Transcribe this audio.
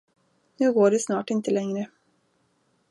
Nu går det snart inte längre.